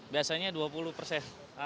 biasanya dua puluh persen